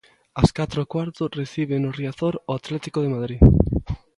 Ás catro e cuarto reciben en Riazor o Atlético de Madrid.